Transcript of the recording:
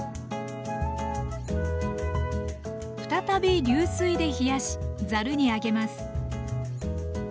再び流水で冷やしざるに上げます